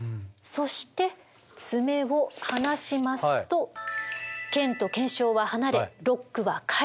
そして爪を離しますと腱と腱鞘は離れロックは解除。